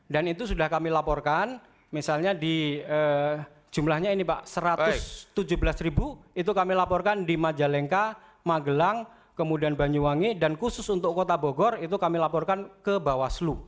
dan itu sudah kami laporkan misalnya di jumlahnya ini pak satu ratus tujuh belas ribu itu kami laporkan di majalengka magelang kemudian banyuwangi dan khusus untuk kota bogor itu kami laporkan ke bawaslu